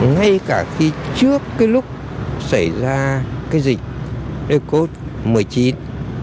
ngay cả khi trước cái lúc xảy ra cái dịch eco một mươi chín